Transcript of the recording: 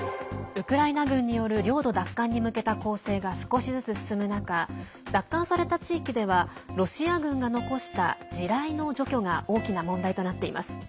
ウクライナ軍による領土奪還に向けた攻勢が少しずつ進む中奪還された地域ではロシア軍が残した地雷の除去が大きな問題となっています。